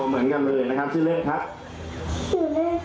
เหมือนกันเลยนะครับชื่อเลขครับ